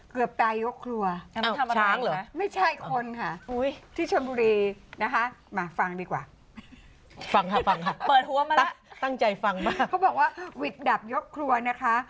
เขาบอกว่าวิดดับยกครัวนะคะ